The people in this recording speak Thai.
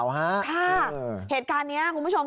ครับเหตุการณ์นี้ครับคุณผู้ชม